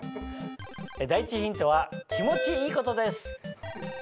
第１ヒントは気持ちいいことです。